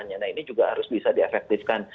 nah ini juga harus bisa diefektifkan